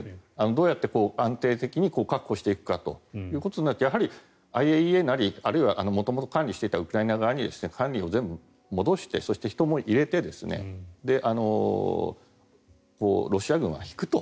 どうやって安定的に確保していくかということになるとやはりＩＡＥＡなりあるいは元々管理していたウクライナ側に管理を全部戻してそして人も入れてロシア軍は引くと。